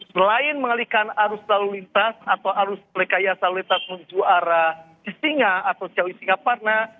selain mengalihkan arus lalu lintas atau arus rekayasa lalu lintas menuju arah singa atau ciawi singaparna